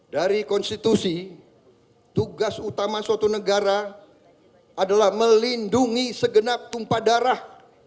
dari konstitusi tugas utama suatu negara adalah melindungi segenap tumpah darah